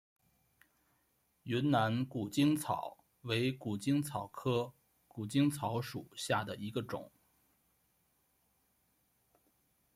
云南谷精草为谷精草科谷精草属下的一个种。